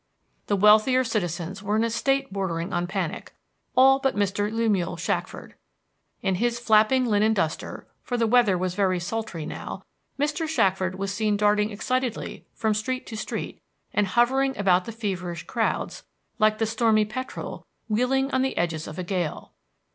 The wealthier citizens were in a state bordering on panic, all but Mr. Lemuel Shackford. In his flapping linen duster, for the weather was very sultry now, Mr. Shackford was seen darting excitedly from street to street and hovering about the feverish crowds, like the stormy petrel wheeling on the edges of a gale.